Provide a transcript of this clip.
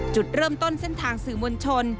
จุดเริ่มต้นเส้นทางสื่อมวลชน